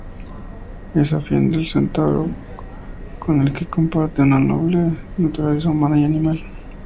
Es afín al centauro, con el que comparte una doble naturaleza, humana y animal.